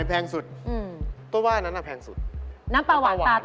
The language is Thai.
เป็นแบบบาลค่ะ